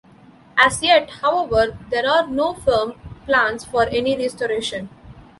As yet, however, there are no firm plans for any restoration.